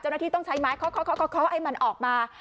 เจ้าหน้าที่ต้องใช้ไม้เคาะให้มันออกมา